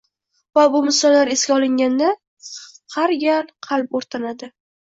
Va bu misollar esga olinganda har gal qalb o‘rtanadi